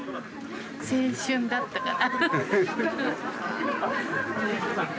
青春だったから。